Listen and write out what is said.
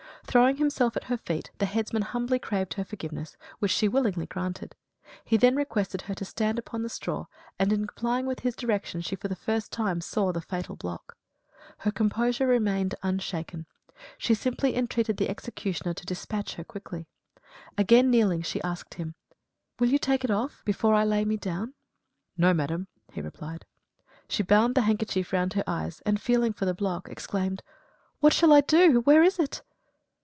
Throwing himself at her feet, the headsman humbly craved her forgiveness, which she willingly granted. He then requested her to stand upon the straw, and in complying with his direction she for the first time saw the fatal block. Her composure remained unshaken; she simply entreated the executioner to dispatch her quickly. Again kneeling she asked him: "Will you take it off before I lay me down?" "No, madam," he replied. She bound the handkerchief round her eyes, and feeling for the block, exclaimed, "What shall I do? Where is it?"